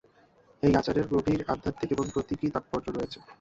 এই আচারের গভীর আধ্যাত্মিক এবং প্রতীকী তাৎপর্য রয়েছে।